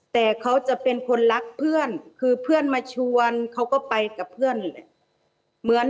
แต่เขาจะเป็นคนรักเพื่อนคือเพื่อนมาชวนเขาก็ไปกับเพื่อนแหละ